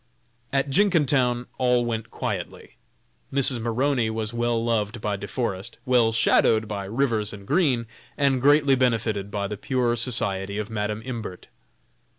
At Jenkintown all went quietly. Mrs. Maroney was well loved by De Forest, well "shadowed" by Rivers and Green, and greatly benefited by the pure society of Madam Imbert.